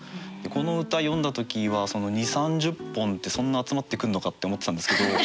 この歌読んだ時は２０３０本ってそんな集まってくんのかって思ってたんですけど。